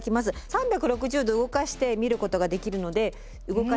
３６０度動かして見ることができるので動かしながら。